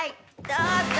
どうぞ。